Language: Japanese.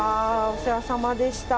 お世話さまでした。